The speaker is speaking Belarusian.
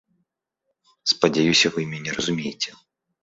Спадзяюся, вы мяне разумееце!